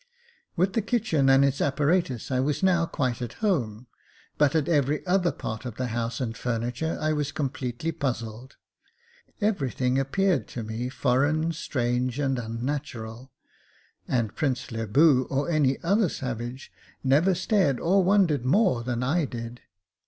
With the kitchen and its apparatus I was now quite at home ; but at every other part of the house and furniture I was completely puzzled. Everything appeared to me foreign, strange, and unnatural, and Prince Le Boo or any other savage never stared or wondered more than I did.